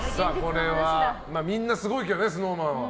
みんなすごいけどねＳｎｏｗＭａｎは。